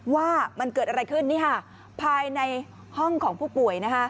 ว่ามันเกิดอะไรขึ้นนี่ค่ะภายในห้องของผู้ป่วยนะคะ